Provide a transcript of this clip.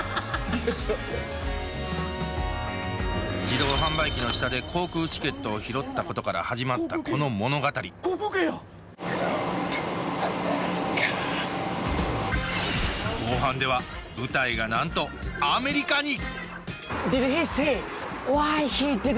自動販売機の下で航空チケットを拾ったことから始まったこの物語後半では舞台がなんとアメリカに！